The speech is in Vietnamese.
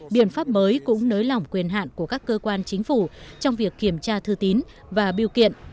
biện pháp mới cũng nới lỏng quyền hạn của các cơ quan chính phủ trong việc kiểm tra thư tín và biêu kiện